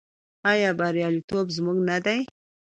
آیا بریالیتوب زموږ نه دی؟